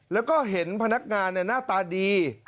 แล้วก็เห็นพนักงานหน้าตาดี